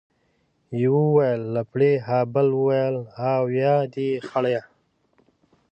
يوه ويل لپړى ، ها بل ويل ، اويا دي خړيه.